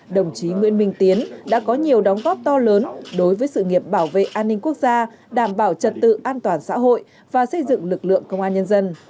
đồng chí nguyễn minh tiến đã có nhiều đóng góp to lớn đối với sự nghiệp bảo vệ an ninh quốc gia đảm bảo trật tự an toàn xã hội và xây dựng lực lượng công an nhân dân